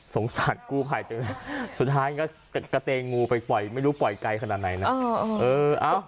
สงสัยกูภายจริงสุดท้ายก็กระเตงงูไปปล่อยไม่รู้ปล่อยไกลขนาดไหนนะ